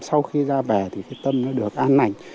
sau khi ra bè thì tâm nó được an ảnh